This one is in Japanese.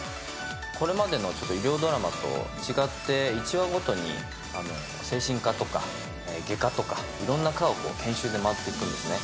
これまでのちょっと医療ドラマと違って、１話ごとに精神科とか外科とか、いろんな科を研修で回っていくんですね。